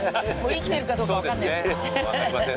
生きてるかどうか分かんない。